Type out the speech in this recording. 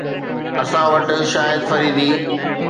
اسان وٽ شاهد فريدي